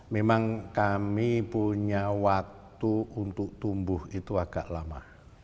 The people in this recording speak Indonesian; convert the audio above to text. memang kami punya waktu untuk tumbuh itu agak lama